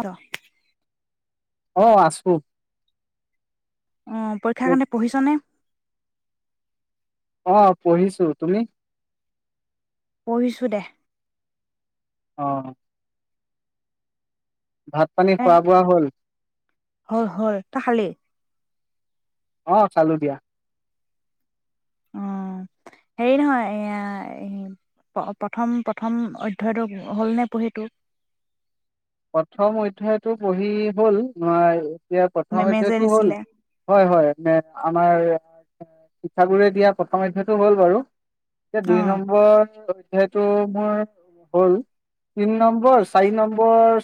অ' ৰহ। আহ আছু। অ' পৰীক্ষাৰ কাৰণে পঢ়িছনে? অ' পঢ়িছো তুমি? পঢ়িছোঁ দেহ। অ' ভাত পানী এ খোৱা বোৱা হ'ল হ'ল, হ'ল ত খালি? অ' খালো দিয়া। অ' হেৰি নহয় এয়া প্ৰথম, প্ৰথম অধ্যয়টো হ'লনে পঢ়িটো? প্ৰথম অধ্যায়তটো পঢ়ি হ'ল ন এতিয়া প্ৰথম মেমে যে অধ্যয়ায়টো হ'ল দিছিলে হয়, হয় ম আমাৰ। শিক্ষাগুৰুে দিয়া প্ৰথম অধ্যয়ো হ'ল বাৰু। এতিয়া অ দুই নম্বৰ অধ ত মোৰ হ'ল তিনি নম্বৰ, চাৰি নম্বৰ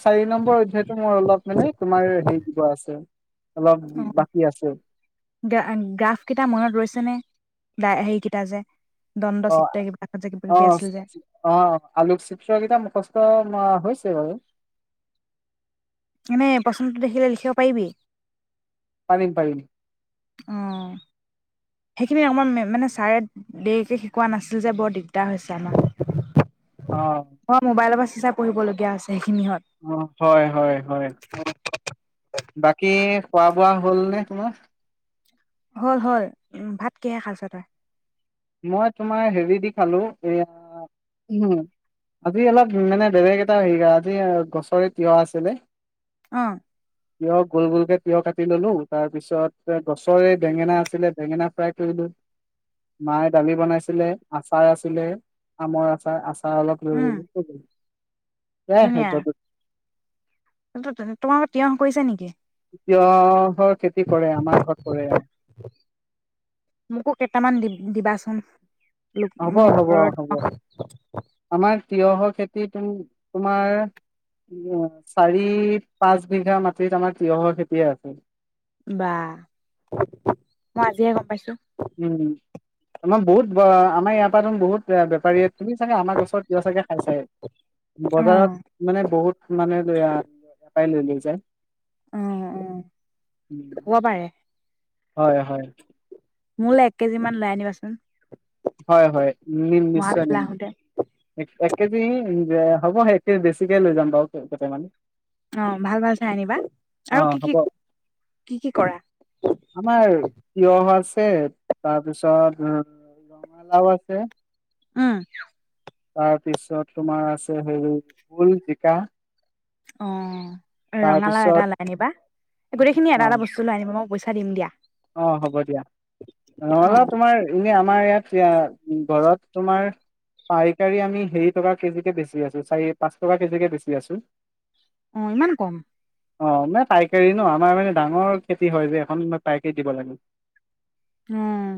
ম্বৰ হেইটো মোৰ অলপ মানে তোমাৰ হেৰি দিব আছে। অলপ অ' বাকী আছে গ গ্ৰাফ কেইটা মনত ৰৈছে নে? দা হেৰিকেইটা যে দণ্ড অ' চিত্ৰ কিবাত যে কিবা কিবি অ' আছিল যে অ' আলুক চিত্ৰ কেইটা মুখস্থ ন হৈছে বাৰু এনে পচন্দটো দেখিলে লিখিব পাৰিবি পাৰিম পাৰিম অ সেইখিনি অকমান মানে ছাৰে দেৰিকে শিকোৱা নাছিল যে বৰ দিগদাৰ হৈছে আমাৰ অ মোবাইলৰ পৰা চাই পঢ়িবলগীয়া হৈছে সেইখিনিহত অ হয় হয় হয় বাকি খোৱা বোৱা হ'ল নে তোমাৰ হল হল উ ভাত কিহে খাইছ তই মই তোমাৰ হেৰি দি খালো এয়া আজি অলপ মানে বেলেগ এটা হেৰি আজি গছৰে তিঁয়হ আছিলে অ কিয় গোল গোলকে তিয়হ কাটি ললো তাৰ পিছত গছৰে বেঙেনা আছিলে বেঙেনা ফ্ৰাই কৰিলো মায়ে দালি বনাইছিলে আচাৰ আছিলে আমৰ আচাৰ আচাৰ অ অলপ উম, লৈ তোমাৰত তিয়হ কৰিছে নেকি তিয়ৰ খেতি কৰে আমাৰ ঘৰত কৰে আৰু মোকো কেইটামান দি দিবাচোন লোক হব মানে হব ঘৰত হ'ব আমাৰ তিয় হক খেতি তুম তোমাৰ উ চাৰি পাঁচ বিঘা মাটিত আমাৰ তিয়হৰ খেতিয়ে আছে বা মই আজিহে গম পাইছো উম আমাৰ বহুত আমাৰ ইয়াৰ পৰাাত বহুত এ বেপাৰীয়ে তুমি চাগে আমাৰ গছৰ তিয় চাগে খাই চাই অ', বজাৰত মানে বহুত মানে পাইছে উ উ কব পাৰে হয় হয় মোলৈ এক কেজি ম লৈ আনিবাচোন হয় হয় নিম নিশ্চয় মহাবিললৈ নম আহোতে একেজিন হ'ব সেইে বেছিকে লৈ যাম বাৰু কেইটামানে অ ভাল ভাল চাই আনিবা আৰু অ', কি কি হ'ব কি কি কৰা আমাৰ তিয়হ আছে তাৰপিছত ৰঙালাও আছে উম তাৰপিছত তোমাৰ আছে হেৰি োল জিকা অ ৰঙালাও এটা তাৰপিছত লাই আনিবা গোটেইখিনি এটা অ'। এটা বস্তু লৈ আনিবা মই বৈ চাৰম দিয়া অ হ'ব দিয়া ন অলও অ', তোমাৰ এনে আমাৰ ইয়াত এতিয়া ঘৰত তোমাৰ পাইকাৰী আমি হেৰি টকা কেজিকে বেচি আছো চাৰি পাঁচ টকা কেজিকে বেছি আছো অ', ইমান কম? অ', মানে পাইকাৰী ন। আমাৰ মানে ডাঙৰ খেতি হয় যে, এখন [unintelligible] পাইকেৰীত দিব লাগে। হম।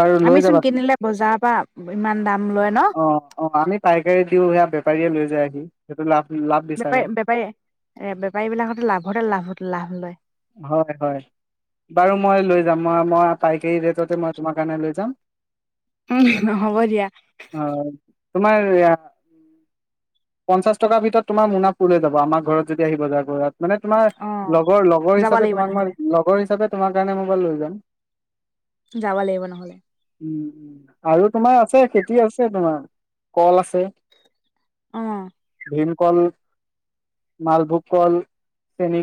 বাৰু লৈ যাবা। বজাৰৰ পৰা ইমান দাম লয় ন? অ', অ', আমি পাইকাৰী দিওঁ সেয়া, [unintelligible] [unintelligible] লৈ যায়হি। সেইটো লা বেপা-বেপাৰী এ, বেপাৰী বিলাকহঁতে, লাভতে লাভ-লাভ লয়। হয়, হয়। বাৰু মই লৈ যাম। মই-মই পাইকাৰী ৰেটতে, মই তোমাৰ কাৰণে লৈ যাম। উম, নহ'ব দিয়া। অ তোমাৰ, পঞ্চাশ টকাৰ ভিতৰত তোমাৰ মোনা ফোল যাব, আমাৰ ঘৰত যদি আহি বজাৰ কৰা। মানে, তোমাৰ অ' লগৰ লগ লগৰ যাব হিচাপে লাগিব তোমাক। নহ'লে মই লগৰ হিচাপে তোমাৰ কাৰণে মোবাইল লৈ যাম যাব লাগিব, নহ'লে উম, আৰু তোমাৰ আছে। খেতি আছে, তোমাৰ কল আছে অ'। ভীমকল, মালভোগ কল, চেনি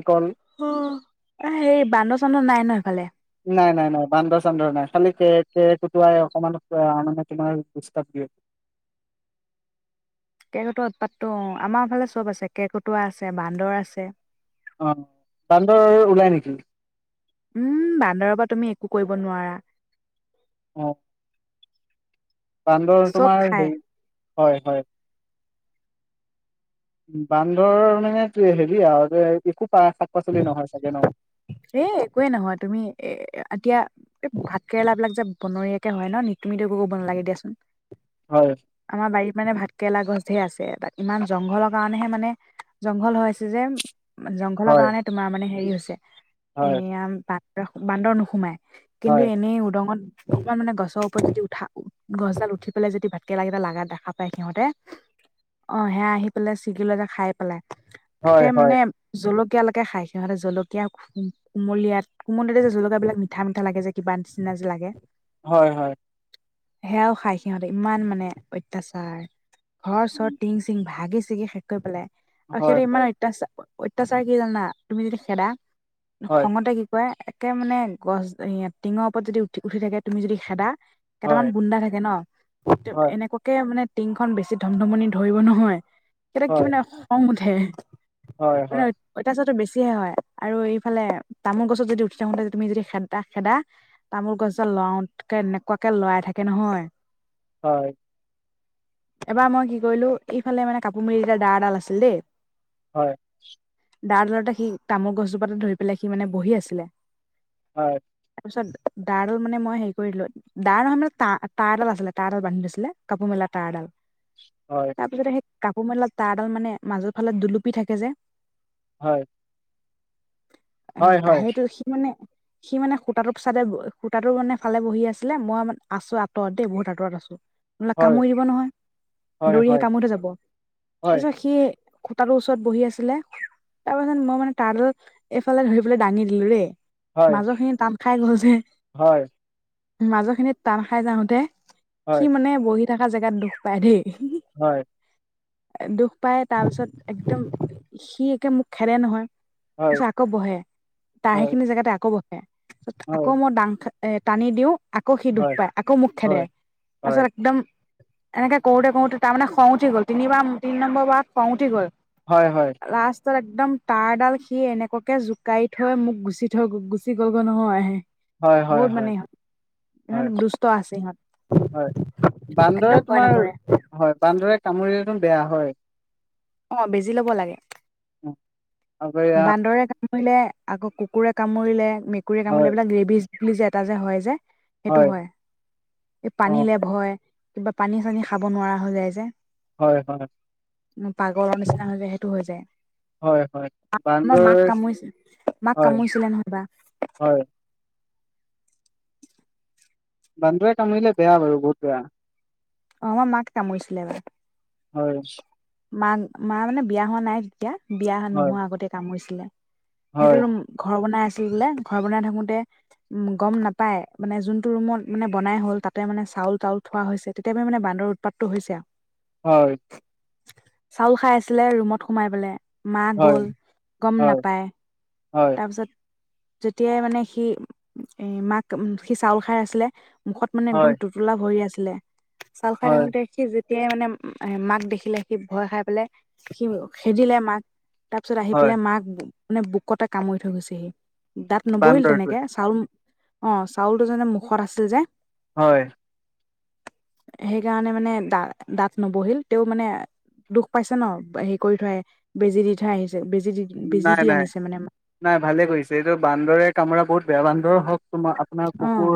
হা এ, হেৰি, বান্দৰ-চান্দৰ নাই ন সেইফালে? নাই, নাই, নাই। বান্দৰ-চান্দৰ নাই। খালি কেৰ, কেৰ-কুটুৱাই অকণমান [unintelligible] আৰু মানে, তোমাৰ ডিষ্টাৰ্ব দিয়ে। কেৰ-কুটুৱা উৎপাতটো। অ', আমাৰ এইফালে চব আছে। কেৰ-কুটুৱা আছে, বান্দৰ আছে অ', বান্দৰ ওলাই নেকি? উম, বান্দৰৰ পৰা তুমি একো কৰিব নোৱাৰা। অ'। বান্দৰ চব তোমাৰ খাই হেৰি হয়, হয়। বান্দৰ, মানে, হেৰি আৰু যে একো শাক পাচলি নহয় চাগে ন এ, একোৱেই নহয়। তুমি এ, এতিয়া এই ভাত কেৰেলাবিলাক যে বনৰীয়াকৈ হয় ন। নি, তুমিটো একো কৰিব নালাগে দিয়াচোন। হয় আমাৰ বাৰীত, মানে, ভাত কেৰেলা গছ আছেহে আছে। তাত ইমান জংঘলৰ কাৰণেহে, মানে, জংঘল হৈ আছে যে। জং হয় কাৰণে তোমাৰ মানে হেৰি হৈছ এ হয় আম ৰস বান্দৰ নোসোমায়। কিন্তু হয়, এনেই উদঙত অকমান মানে গছৰ ওপৰত যদি উঠা গছডাল উঠি পেলাই যদি ভাতকেৰেলা লগা দেখা পায় সিহঁতে অ', সেয়া আহি পেলাই ছিগি লৈ যায় খাই পেলাই। হয়, তাকে হয়, মানে জলক খাই সিহঁতে জলকীয়া কুমলীয়াত কুমলীয়াতে যে, জলকীয়াবিলাক মিঠা, মিঠা লাগে যে, কিবা নিচিনা লাগে। হয়, হয়। সেয়াও খাই সিহঁতে, ইমান মানে অত্যাচাৰ। ঘৰ চৰ টিং চিং ভাগি ছিগি শেষ কৰি পেলাই। হয়, [unintelligible] ইমান হয়, [unintelligible] [unintelligible] তুমি যদি খেদা হয়, খঙতে কি কয় কে মানে গছ হেয়া টিঙৰ ওপৰত যদি উঠি - উঠি থাকে তুমি যদি খেদা কেটামান হয়, গুণ্ডা থাকে ন, [unintelligible] হয়, এনেকুৱাকে মানে টিং খন বেছি ধমধমনি ধৰিব নহয় [unintelligible] কি হয়, মানে [unintelligible] হয়, [unintelligible] মানে হয়, [unintelligible] [unintelligible] [unintelligible] হয় আৰু এইফালে তামোল গছত যদি উঠি থাকুনতে যদি তুমি যদি খেদা - খেদা, তামোল গছডাল লৰাওতকে এনেকুৱাকে লৰাই থাকে নহয় হয়। এবাৰ মই কি কৰিলো, এইফালে মানে কাপোৰ মেলি দিয়া ডাৰ ডাল আছিল দেই হয়। [unintelligible] সি তামোল গছজোপাতে ধৰি পেলাই সি মানে বহি আছিলে। হয়। পিছত ডাৰ ডাল মানে মই হেৰি কৰি দিলোঁ। ডাৰ নহয় মানে তা - তাৰ এডাল আছিলে, তাৰডালত বান্ধি থৈছিলে, কাপোৰ মেলা তাৰ এডাল। [unintelligible] কাপোৰ মেলা তাৰডাল মানে মাজৰ ফালে দুলুপি থাকে যে। হয়। [unintelligible] হয়, হয়, হয়, সি মানে সি মানে সূতাটোক চাদে [unintelligible] সূতাটো মানে ফালে বহি আছিলে, মই মানে আছো আঁতৰত দেই বহুত আঁতৰত আছো। [unintelligible] হয়, কামুৰি দিব নহয়, হয়, দৌৰি আহে [unintelligible] যাব। তাৰ পিছত সি খুটাটোৰ ওচৰত বহি আছিলে, [unintelligible] [unintelligible] মই মানে তাৰডাল এইফালে লৈ পেলাই দাঙি দিলো ৰে মাজৰ খিনি টান খাই গ'ল যে হয়। মাজৰ খিনিত টান খাই যাওঁতে হয়, হয়, হয়, হয়, হয়, হয়, হয়, হয়, হয়, সি মানে বহি থাকা জেগাত দুখ পায় দেই। হয়। দুখ পাই তাৰপিছত একদম সি একে মোক খেদে নহয়। হয়, পিছে আকৌ বহে, তাৰ হয়, সেইখিনি জেগাতে আকৌ বহে। আকৌ হয়, মই ডাং [unintelligible] এ টানি দিওঁ। আকৌ সি দুখ হয়, পায়, আকৌ মোক খেদে তাৰপাছত একদম এনেকে কৰোঁতে কৰোঁতে তাৰমানে খং উঠি গ'ল। তিনিবাৰ তিনি নম্বৰ বাৰত খং উঠি গ'ল। হয়-হয়। তাৰপিছত একদম তাঁৰ ডাল সি এনেকুৱাকে জোকাৰি থৈ মোক গুচি থৈ গুচি গ'লগৈ নহয়। হয় বহুত মানে ইহঁত ইহঁত দুষ্ট আছে ইহঁত হয়-হয়-হয়-হয় বান্দৰে একদম ভয় তোমাৰ নকৰে হয় বান্দৰে কামোৰি ম বেয়া হয়। অঁ বেজি ল'ব লাগে। উম, আকৌ এয়া বান্দৰে কামুৰিলে আকৌ কুকুৰে কামুৰিলে। মেকুৰীয়ে হয়, কামুৰিলে এইবিলাক ৰেবিজ [unintelligible] জে এটা যে হয় যে। সেইটো হয়, এই অ', পানী লেপ হয়। কিবা পানী চানী খাব নোৱাৰা হৈ যায় যে। হয়-হয়। পাগলৰ নিচিনা হৈ যায় সেইটো হৈ যায়। হয়-হয়। মাৰ মাক কামুৰিছ মাক হয়, কামুৰিছিলে নহয় হয়। এবা বান্দৰে কামুৰিলে বেয়া বাৰু বহুত বেয়া। অঁ আমাৰ মাক কামুৰিছিলে এবাৰ। হয়। মা-মা মানে বিয়া হোৱা নাই তেতিয়া। বিয়া হয় নোহোৱা আগতে কামুৰিছে [unintelligible] সেইটো হয় [unintelligible] ঘৰ বনাই আছে [unintelligible] ঘৰ বনাই থাকোতে উম গম নাপাই, মানে যোনটো ৰুমত মানে বনাই হ'ল তাতে মানে চাউল তাউল থোৱা হৈছে তেতিয়াপৰা মানে বান্দৰ উৎপাতটো হৈছে আৰু। হয়। চাউল খাই আছিলে ৰুমত সোমাই পেলে। মা হয় গ'ল গম হয় নাপায়। হয় তাৰপিছত যেতিয়াই মানে সি এ মাক সি চাউল খাই আছিলে মুখত মানে একদম হয় টুটোলা হৈ আছে লে। চাউল খাই হয় থাকোতে সি যে তেতিয়াই মানে মাক দেখিলে, সি ভয় খাই পেলাই সি খেদিলে মাক। তাৰ পিছত আহি হয় পেলাই মাক মানে বুক কতে কামুৰি থৈ গৈছেহি। দাঁত নবহিল বান্দৰটোৱে তেনেকে চাউল অ', চাউলটো যে, মুখত আছিল যে হয়। সেইকাৰণে মানে দা দাঁত নবহিল তেওঁ মানে দুখ পাইছে ন হেৰি কৰি থয় বেজি দি থৈ আহিছ বেজী দি বেজী নাই দি নাই আনিছ নাই ভালে কৰিছে এইটো বান্দৰে কামোৰা বহুত বেয়া বান্দৰ হওঁক অ',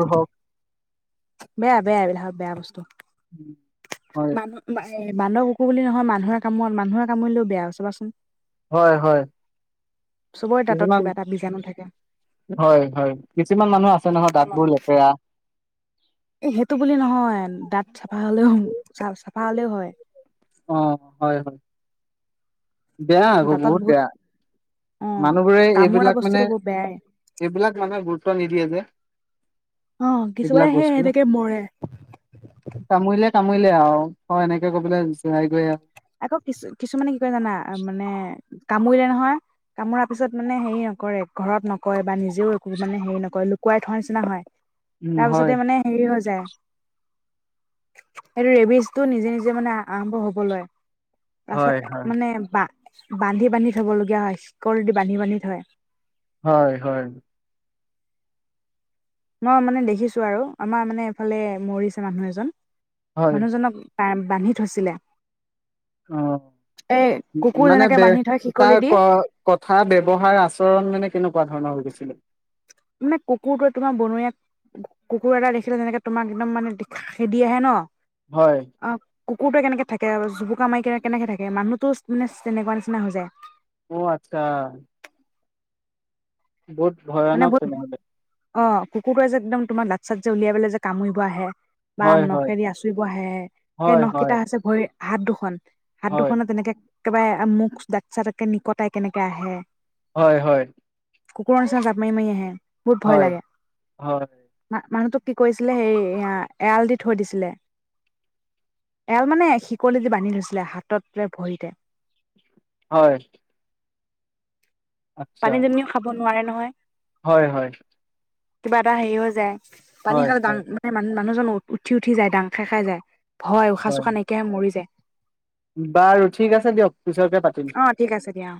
বেয়া, বেয়া এইবিলাকত বেয়া বস্তু উম, হয় মানুহ এ বান্দৰ, কুকুৰ বুলি নহয়, মানুহৰ কামোৰা মানুহৰ কামোৰিলেও বেয়া‌ চাবাচোন হয়, হয়। চবৰে দাঁতত কিছুমান কিবা এটা বীজাণু থাকে হয়, হয় কিছুমান মানুহ আছে নহয়, দাঁতবোৰ লেতেৰা এ সেইটো বুলি নহয়, দাঁত চাফা হ'লেও চ চাফা হ'লেও হয়। অ', হয়, হয় বেয়া আকৌ বহুত বেয়া অ মানুহবোৰে কামোৰা এইবিলাক মানে বস্তুটো বহুত বেয়াই এইবিলাক মানুহে গুৰুত্ব নিদিয়ে যে। অ', কিছুমানে এইবিলাক সেই বস্তু সেনেকে মৰে। কামোৰিলে আৰু হয়, এনেকে কৈ পেলাই [unintelligible] আকৌ কিছু কিছুমানে কি কয় জানা? মানে কাপ কামুৰিলে নহয়, কামোৰা পিছত মানে হেৰি নকৰে ঘৰত নকৰে বা নিজেও একো মানে হেৰি নকৰে লুকুৱাই থোৱাৰ নিচিনা হয়। উম হয় তাৰপিছতে মানে হেৰি হৈ সেইটো ৰেবিজটো নিজে, নিজে মানে আৰম্ভ হ'ব লয়। হয় তাৰপিছত হয় মানে বা বান্ধি বান্ধি থবলগীয়া হয়, শিকলি দি বান্ধি, বান্ধি থয়। হয়, হয়। মই মানে দেখিছো আৰু আমাৰ মানে এফালে মৰিছে মানুহ এজন। হয় মানুহজনক বান্ধি থৈছিলে অ এই কুকুৰ মানে যেনেকে বান্ধি থয় তাৰ শিকলিদি কথা ব্যৱহাৰ আচৰণ মানে কেনেকুৱা ধৰণৰ হৈ গৈছে? [inaudible] মানে কুকুৰটোৱে তোমাৰ বনৰীয়া কুকুৰ এটা দেখিলে যেনেকে তোমাক একদম মানে খেদি আহে ন হয়। অ কুকুৰটোৱে কেনেকে থাকে জুপুকা মাৰি কেনে কেনেকে থাকে মানুহতো মানে তেনেকুৱা নিচিনা হৈ যায়। অ আচ্ছা বহুত মানে ভয়ানক বহুত তেনেহলে। অ কুকুৰটোৱে যে একদম তোমাৰ দাত চাট যে উলিয়াই পেলাই‌ যে কামুৰিব আহে বা হয় হয় নখেদি আচুৰিব আহে সেই হয় নখ হয় কেইটা আছে ভৰি হাত দুখন হাত হয় দুখনত তেনেকে একবাৰে মুখ ডাকচাে নিকটাই কেনেকে আহে হয় হয় কুকুৰ চ ময়ময়ে বহুত ভয় হয় লাগে হয় ম মানুহটোো কি কৰিছিলে সেই এ এৰাল দি থৈ দিছিলে এৰাল মানে শিকল দি বান্ধি থৈছিলে হাতত ভৰিতে হয় আচ্ছা পানীজনিও খাব নোৱাৰে নহয় হয় হয় কিবা এটা হেৰি হৈ যায় পানী হয় খালা হয় মানে মান মানুহজন উ উঠি উঠি যায় দাং খাই খাই যায় ভয় উশাহ হয় চোশা নাইকিয়াহে মৰি যায় বাৰু ঠিক আছে দিয়ক পিছচকে পাতিম অ ঠিক আছে দিয়া অ